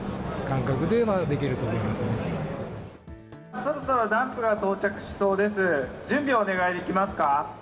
そろそろダンプが到着しそうです。